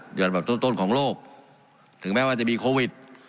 อย่างแบบต้นต้นของโลกถึงแม้ว่าจะมีโควิด